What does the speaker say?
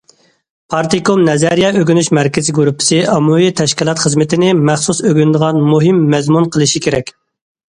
پارتكوم نەزەرىيە ئۆگىنىش مەركىزىي گۇرۇپپىسى ئاممىۋى تەشكىلات خىزمىتىنى مەخسۇس ئۆگىنىدىغان مۇھىم مەزمۇن قىلىشى كېرەك.